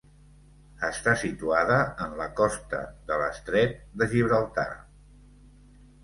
Està situada en la costa de l'Estret de Gibraltar.